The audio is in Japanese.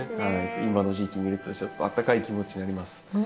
今の時期に見るとちょっとあったかい気持ちになります。